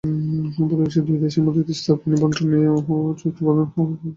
প্রতিবেশী দুই দেশের মধ্যে তিস্তার পানির বণ্টন নিয়ে চুক্তি দীর্ঘদিন ধরে ঝুলে আছে।